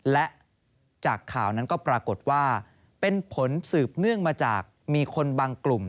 และจากข่าวนั้นก็ปรากฏว่าเป็นผลสืบเนื่องมาจากมีคนบางกลุ่ม